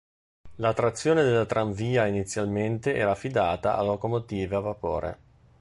La trazione della tranvia inizialmente era affidata a locomotive a vapore.